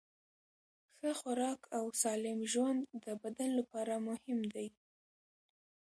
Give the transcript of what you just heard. ښه خوراک او سالم ژوند د بدن لپاره مهم دي.